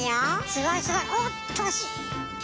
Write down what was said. すごいすごいおっと惜しい。